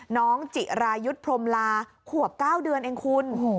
น้องจิรายุทพรมลาขวบเก้าเดือนเองคุณโอ้โห